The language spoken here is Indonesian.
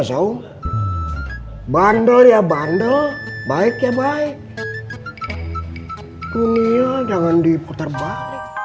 saw bandel ya bandel baik ya baik dunia jangan diputar balik